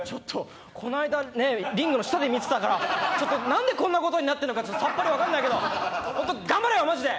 この間、リングの下で見てたから、なんでこんなことになってるのかさっぱり分からないけど本当に頑張れよ、マジで！